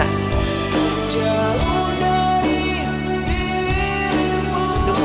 jauh dari dirimu